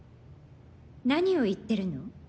何を言ってるの？